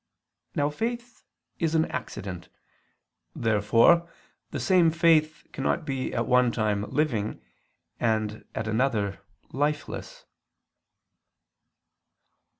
Now faith is an accident. Therefore the same faith cannot be at one time living, and at another, lifeless.